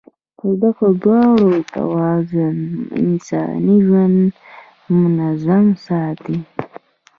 د دغو دواړو توازن انساني ژوند منظم ساتي.